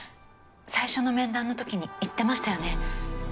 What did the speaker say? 最初の面談のときに言ってましたよね。